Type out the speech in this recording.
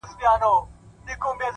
سیاه پوسي ده خاوند یې ورک دی ـ